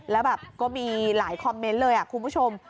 แล้วแบบก็มีหลายคอมเมนต์เลยคุณผู้ชม